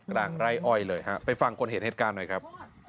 กลางไร่อ้อยเลยฮะไปฟังคนเห็นเหตุการณ์หน่อยครับ